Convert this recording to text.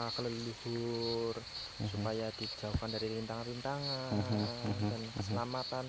berkah ke leluhur supaya dijauhkan dari lintangan lintangan dan keselamatan